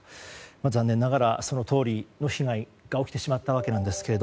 残念ながら、そのとおりの被害が起きてしまったわけなんですが。